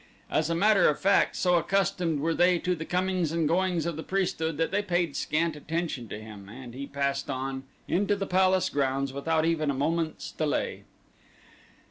As a matter of fact so accustomed were they to the comings and goings of the priesthood that they paid scant attention to him and he passed on into the palace grounds without even a moment's delay.